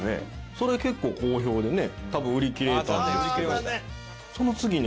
それ結構好評でね多分売り切れたんですけど。